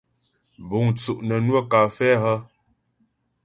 Búŋ tsú' nə́ nwə́ kafɛ́ hə́ ?